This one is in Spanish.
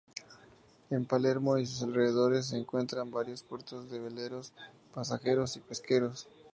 En Palermo y sus alrededores se encuentran varios puertos de veleros, pasajeros y pesqueros.